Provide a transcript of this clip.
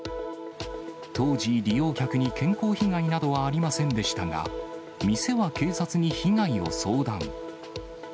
当時、利用客に健康被害などはありませんでしたが、店は警察に被害を相談。